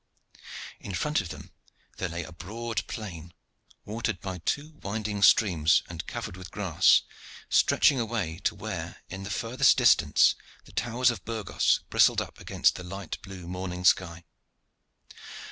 In front of them there lay a broad plain, watered by two winding streams and covered with grass, stretching away to where, in the furthest distance, the towers of Burgos bristled up against the light blue morning sky.